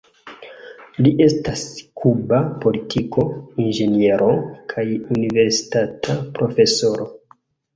Li estas kuba politiko, inĝeniero kaj universitata profesoro.